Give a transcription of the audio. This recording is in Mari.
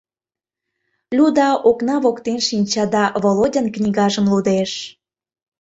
Люда окна воктен шинча да Володян книгажым лудеш.